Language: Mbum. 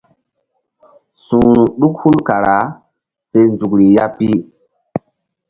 Su̧hru ɗuk hul kara se nzukri ya pi.